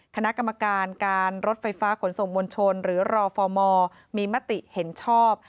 คณะกรรมการการรถไฟฟ้าขนส่งมวลชนหรือรอฟอร์มมีมติเห็นชอบ